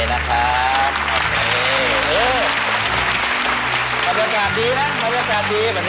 บรรยากาศดีนะบรรยากาศดีแบบนี้